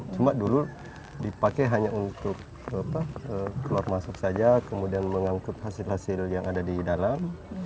cuma dulu dipakai hanya untuk keluar masuk saja kemudian mengangkut hasil hasil yang ada di dalam